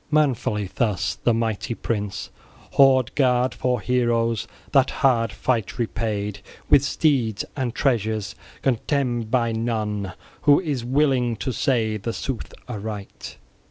Manfully thus the mighty prince, hoard guard for heroes, that hard fight repaid with steeds and treasures contemned by none who is willing to say the sooth aright.